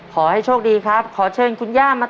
ขอให้โชคดีครับขอเชิญคุณย่ามา